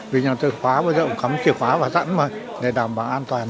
vì nhà tôi khóa bây giờ cũng cắm chìa khóa vào sẵn mà để đảm bảo an toàn